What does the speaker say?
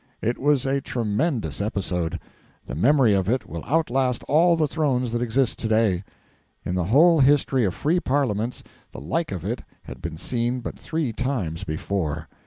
It was a tremendous episode. The memory of it will outlast all the thrones that exist to day. In the whole history of free parliaments the like of it had been seen but three times before.